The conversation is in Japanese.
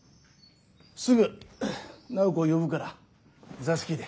すぐ楠宝子を呼ぶから座敷で。